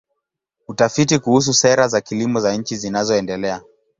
Utafiti kuhusu sera za kilimo za nchi zinazoendelea.